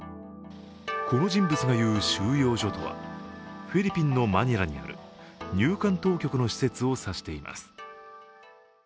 この人物が言う収容所とはフィリピンのマニラにある入管当局の施設を指しています。